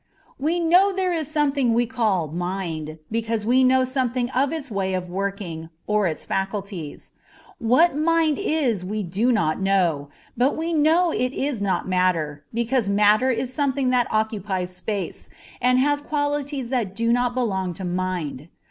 We know there is something we call mind, because we know something of its way of working, or its faculties. What mind is we do not know, but we know it is not matter, because matter is something that occupies space, and has qualities that do not belong to mind.